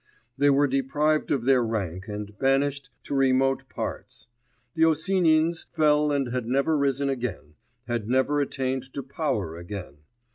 They were deprived of their rank, and banished to remote parts; the Osinins fell and had never risen again, had never attained to power again.